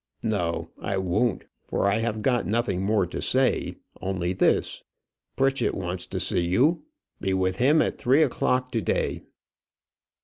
"No, I won't, for I have got nothing more to say; only this: Pritchett wants to see you. Be with him at three o'clock to day."